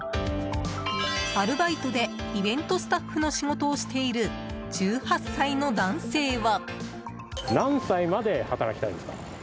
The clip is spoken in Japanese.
アルバイトでイベントスタッフの仕事をしている１８歳の男性は。